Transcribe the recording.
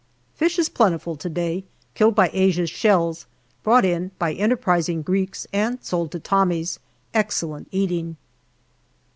Fish is plentiful to day, killed by Asia's shells, brought in by enterprising Greeks and sold to Tommies. Excellent eating.